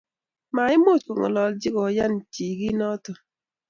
Maimuuch kongalachi koyan chekiit noto